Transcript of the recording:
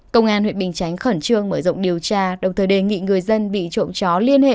công an huyện bình chánh khẩn trương mở rộng điều tra đồng thời đề nghị người dân bị trộm chó liên hệ